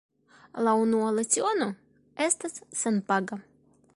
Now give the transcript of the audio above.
La unua leciono estas senpaga.